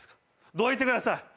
どいてください。